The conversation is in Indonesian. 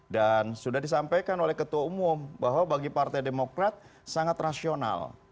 dan sudah disampaikan oleh ketua umum bahwa bagi partai demokrat sangat rasional